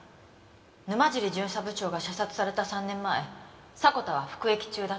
「沼尻巡査部長が射殺された３年前迫田は服役中だったんでは？」